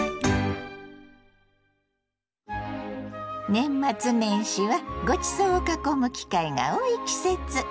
年末年始はごちそうを囲む機会が多い季節。